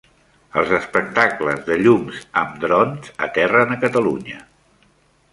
Els espectacles de llums amb drons aterren a Catalunya.